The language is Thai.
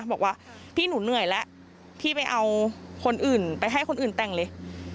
บอกว่าพี่หนูเหนื่อยแล้วพี่ไปเอาคนอื่นไปให้คนอื่นแต่งเลย